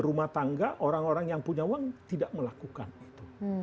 rumah tangga orang orang yang punya uang tidak melakukan itu